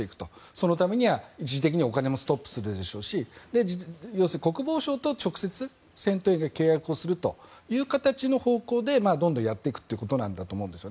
そのためには、一時的にお金もストップするでしょうし国防省と直接、戦闘員が契約するという形でどんどんやっていくということだと思います。